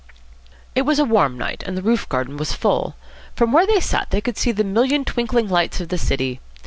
It was a warm night, and the roof garden was full. From where they sat they could see the million twinkling lights of the city.